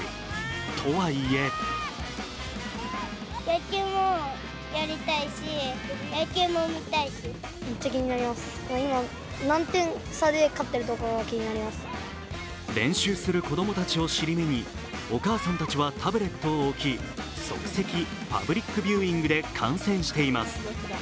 とはいえ練習する子供たちを尻目にお母さんたちはタブレットを置き即席パブリックビューイングで観戦しています。